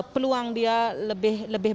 peluang dia lebih